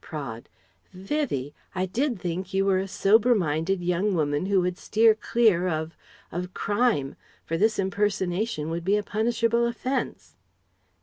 Praed: "Vivie! I did think you were a sober minded young woman who would steer clear of of crime: for this impersonation would be a punishable offence..."